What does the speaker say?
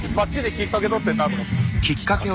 「きっかけ」？